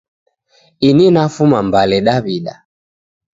Ini nafuma mbale dawida